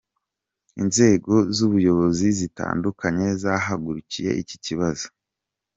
Inzego z’ubuyobozi zitandukanye zahagurukiye iki kibazo.